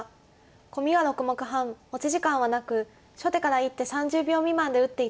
コミは６目半持ち時間はなく初手から１手３０秒未満で打って頂きます。